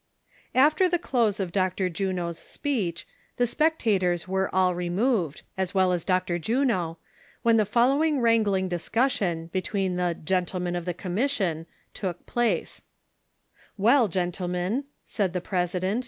fFTER the close of Dr. Juno's speech, the specta tors were all removed, as well as Dr. Juno, when the following wrangling discussion, between the " Gentlemen of tlie Commission," took place : ""Well, gentlemen," said the president.